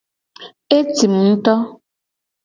Etim ngto.